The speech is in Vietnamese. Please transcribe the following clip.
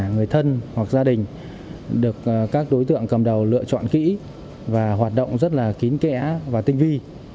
người thân hoặc gia đình được các đối tượng cầm đầu lựa chọn kỹ và hoạt động rất là kín kẽ và tinh vi